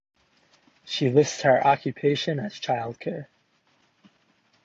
She lists her occupation as child care.